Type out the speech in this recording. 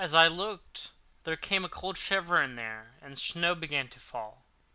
As I looked there came a cold shiver in the air, and the snow began to fall.